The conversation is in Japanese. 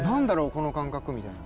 この感覚？みたいな。